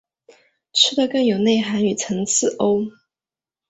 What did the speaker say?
吃的更有内涵与层次喔！